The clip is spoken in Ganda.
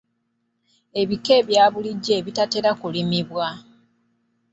Ebika ebyabulijjo ebitatera kulimibwa.